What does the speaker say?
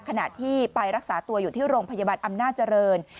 ขณะที่ไปรักษาตัวอยู่ที่โรงพยาบาลอำนาจเจริญ